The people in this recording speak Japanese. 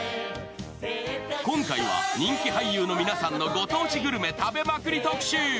今回は、人気俳優の皆さんのご当地グルメ食べまくり特集。